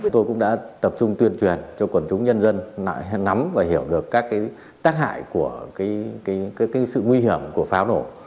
tôi cũng đã tập trung tuyên truyền cho quần chúng nhân dân nắm và hiểu được các tác hại của sự nguy hiểm của pháo nổ